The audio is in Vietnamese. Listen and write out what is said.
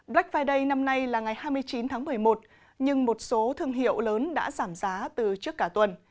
black friday năm nay là ngày hai mươi chín tháng một mươi một nhưng một số thương hiệu lớn đã giảm giá từ trước cả tuần